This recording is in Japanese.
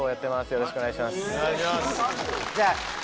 よろしくお願いします